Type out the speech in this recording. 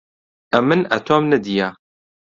ئەمن ئەتۆم نەدییە